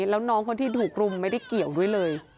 แล้วน้องคนที่ถูกรุมไม่ได้เกี่ยวด้วยเลย